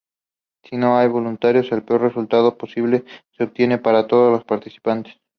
Si no hay voluntarios, el peor resultado posible se obtiene para todos los participantes.